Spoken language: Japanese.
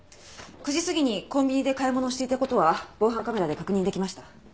９時過ぎにコンビニで買い物をしていた事は防犯カメラで確認できました。